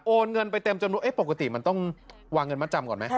เงินไปเต็มจำนวนปกติมันต้องวางเงินมัดจำก่อนไหม